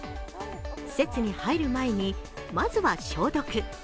施設に入る前に、まずは消毒。